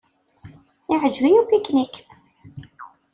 Iɛǧeb-iyi upiknik.